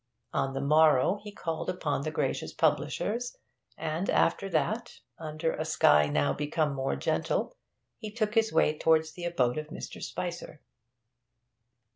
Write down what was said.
On the morrow he called upon the gracious publishers, and after that, under a sky now become more gentle, he took his way towards the abode of Mr. Spicer.